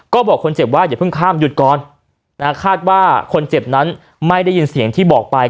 ก็บอกคนเจ็บว่าอย่าเพิ่งข้ามหยุดก่อนนะคาดว่าคนเจ็บนั้นไม่ได้ยินเสียงที่บอกไป